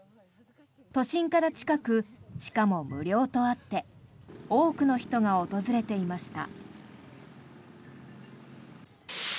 都心から近くしかも無料とあって多く人が訪れていました。